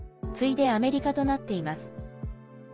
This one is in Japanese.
次いでアメリカとなっています。